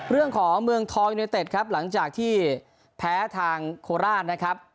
เรื่องของเมืองทองอินเต็ดครับหลังจากที่แพ้ทางโคราชนะครับ